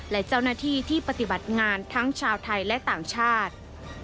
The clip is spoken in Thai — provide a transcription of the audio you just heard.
และเจ้าหน้าที่ที่ปฏิบัติงานทั้งชาวไทยและต่างชาติ